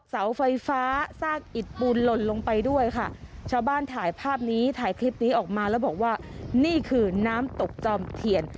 เสาไฟฟ้าซากอิดปูนหล่นลงไปด้วยค่ะชาวบ้านถ่ายภาพนี้ถ่ายคลิปนี้ออกมาแล้วบอกว่านี่คือน้ำตกจอมเทียน